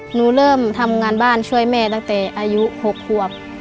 เริ่มทำงานบ้านช่วยแม่ตั้งแต่อายุ๖ควบ